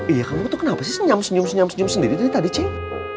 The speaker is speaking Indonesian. iya kamu tuh kenapa senyum senyum sendiri tadi ceng